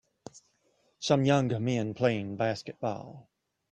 some young men playing basketball